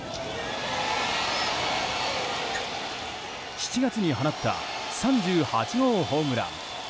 ７月に放った３８号ホームラン。